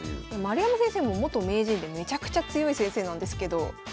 丸山先生も元名人でめちゃくちゃ強い先生なんですけど。